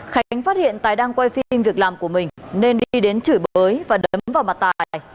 khánh phát hiện tài đang quay phim việc làm của mình nên đi đến chửi bới và đấm vào mặt tài